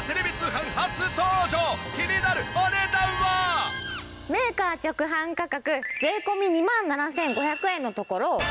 ただし今回はメーカー直販価格税込２万７５００円のところ。